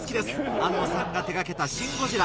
庵野さんが手掛けた『シン・ゴジラ』